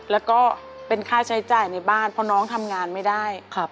แล้วก็เป็นค่าใช้จ่ายในบ้านเพราะน้องทำงานไม่ได้